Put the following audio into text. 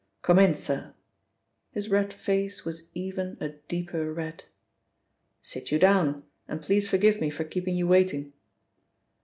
"Come in, sir." His red face was even a deeper red. "Sit you down, and please forgive me for keeping you waiting."